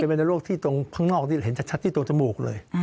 มันเป็นวันโลกที่ตรงข้างนอกนี่เห็นชัดที่ตรงจมูกเลย